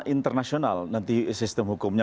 internasional nanti sistem hukumnya